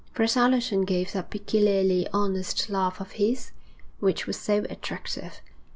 Fred Allerton gave that peculiarly honest laugh of his, which was so attractive.